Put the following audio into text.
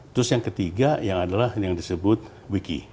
terus yang ketiga yang disebut wiki